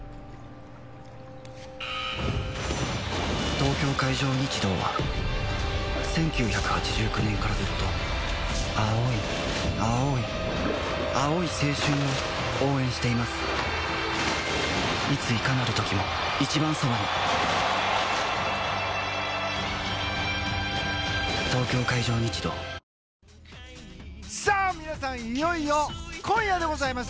東京海上日動は１９８９年からずっと青い青い青い青春を応援していますさあ、皆さんいよいよ今夜でございます！